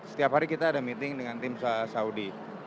setiap hari kita ada meeting dengan tim saudi